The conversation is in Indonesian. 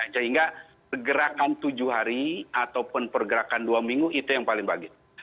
sehingga pergerakan tujuh hari ataupun pergerakan dua minggu itu yang paling bagus